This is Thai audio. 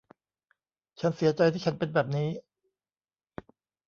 ฉันเสียใจที่ฉันเป็นแบบนี้